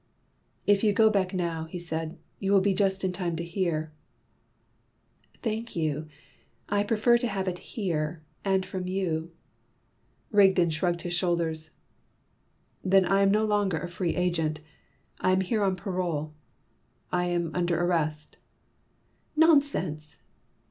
"If you go back now," he said, "you will just be in time to hear." "Thank you. I prefer to have it here, and from you." Rigden shrugged his shoulders. "Then I am no longer a free agent. I am here on parole. I am under arrest." "Nonsense!"